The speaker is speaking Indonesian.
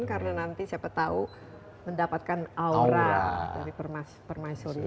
karena nanti siapa tau mendapatkan aura dari permaisuri